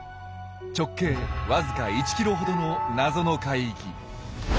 直径わずか１ｋｍほどの「謎の海域」。